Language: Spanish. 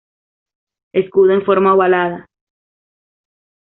Escudo en forma ovalada.